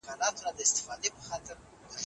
موږ غواړو چې زرغون افغانستان ولرو.